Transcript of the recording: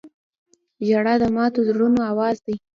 • ژړا د ماتو زړونو آواز دی.